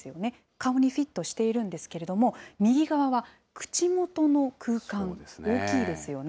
顔にフィットしているんですけれども、右側は口元の空間、大きいですよね。